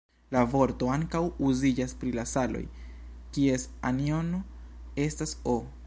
La vorto ankaŭ uziĝas pri la saloj, kies anjono estas "O".